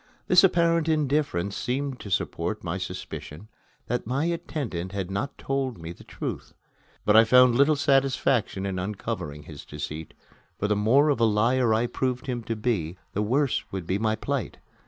This apparent indifference seemed to support my suspicion that my attendant had not told me the truth; but I found little satisfaction in uncovering his deceit, for the more of a liar I proved him to be, the worse would be my plight.